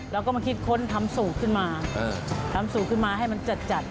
เราก็มาคิดค้นทำสูตรขึ้นมาทำสูตรขึ้นมาให้มันจัดจัด